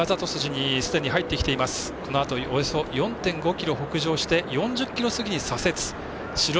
このあとおよそ４．５ｋｍ北上して４０ｋｍ過ぎに左折。